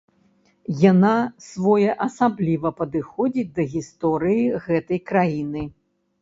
Яна своеасабліва падыходзіць да гісторыі гэтай краіны.